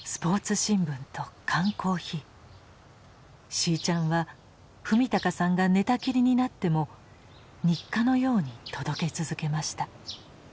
しいちゃんは史敬さんが寝たきりになっても日課のように届け続けました。